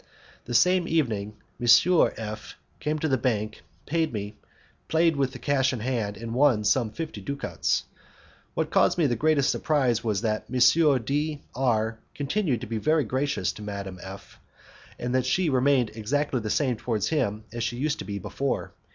The same evening M. F came to the bank, paid me, played with cash in hand, and won some fifty ducats. What caused me the greatest surprise was that M. D R continued to be very gracious to Madame F , and that she remained exactly the same towards him as she used to be before.